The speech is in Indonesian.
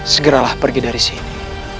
segeralah pergi dari sini